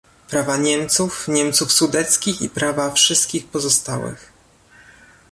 prawa Niemców, Niemców Sudeckich i prawa wszystkich pozostałych